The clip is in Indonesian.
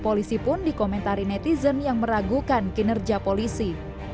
polisi pun dikomentari netizen yang meragukan kinerja polisi